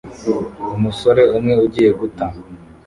Umusore umwe ugiye guta